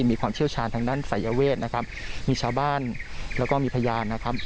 มีความเชี่ยวชาญทางด้านศัยเวทนะครับมีชาวบ้านแล้วก็มีพยานนะครับ